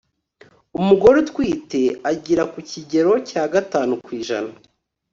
umugore utwite agira ku kigero cya gatanu kw'ijana